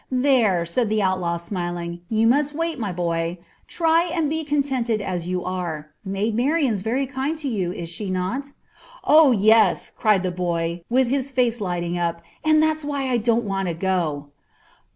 "There," said the outlaw, smiling; "you must wait, my boy. Try and be contented as you are. Maid Marian's very kind to you, is she not?" "Oh! yes," cried the boy, with his face lighting up, "and that's why I don't want to go."